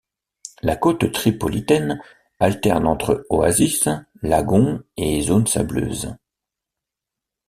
La côte tripolitaine alterne entre oasis, lagons et zones sableuses.